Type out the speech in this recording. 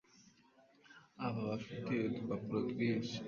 aba afite udupapuro twinshi